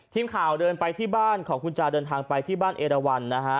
ทีมข่าวเดินไปที่บ้านของคุณจาเดินทางไปที่บ้านเอราวันนะฮะ